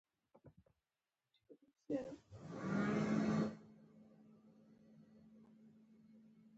هغوی د ماشومانو غږ واورید.